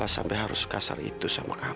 sayangku banget mantan